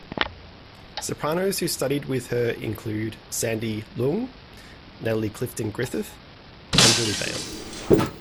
Sopranos who studied with her include Sandy Leung, Natalie Clifton-Griffith and Julie Bale.